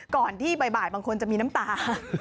ก่อนที่บ่ายบางคนจะมีน้ำตา